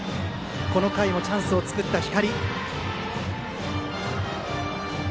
この回もチャンスを作った光。